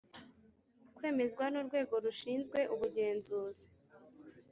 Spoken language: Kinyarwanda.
Kwemezwa n’ urwego rushinzwe ubugenzuzi